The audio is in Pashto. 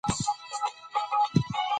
د زړه اور په خبرو نه مړ کېږي.